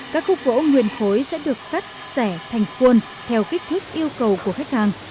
các khúc gỗ nguyên khối sẽ được cắt xẻ thành khuôn theo kích thước yêu cầu của khách hàng